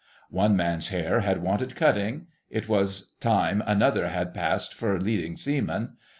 One man's hair had wanted cutting; it was time another had passed for Leading Seaman....